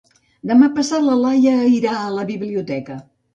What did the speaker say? Demà passat na Laia irà a la biblioteca.